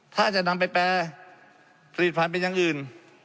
ถ้าจะนำไปแปรผลิตภัณฑ์เป็นอย่างอื่น